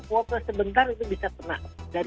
fokus sebentar itu bisa pernah